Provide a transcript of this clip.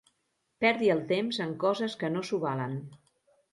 Perdi el temps en coses que no s'ho valen.